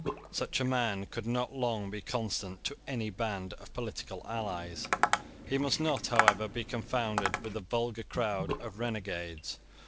Such a man could not long be constant to any band of political allies. He must not, however, be confounded with the vulgar crowd of renegades.